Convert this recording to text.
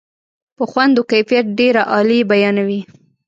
په خوند و کیفیت ډېره عالي بیانوي.